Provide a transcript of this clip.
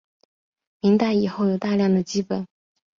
明代以后有大量的辑本。